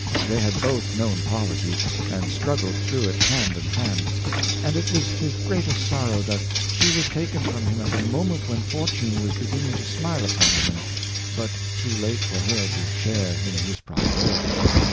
They had both Senizinent m German Love, 581 known poverty, and struggled through it hand in hand, and it was his greatest sorrow that she was taken from him at the moment when fortune was beginning to smile upon him, but too late for her to share in his prosperity.